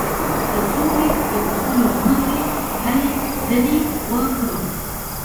د سولې د اصولو له مخې هلې ځلې وکړو.